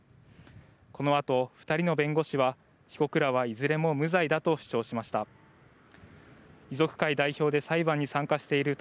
このあと２人の弁護士は被告らはいずれも無罪だと主張しました。